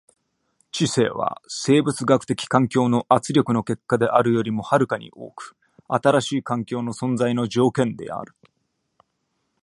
知性は生物学的環境の圧力の結果であるよりも遥かに多く新しい環境の存在の条件である。